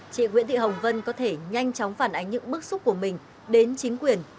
chị nguyễn thị hồng vân có thể nhanh chóng phản ánh những bức xúc của mình đến chính quyền